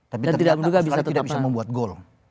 tapi terlihat australia tidak bisa membuat gol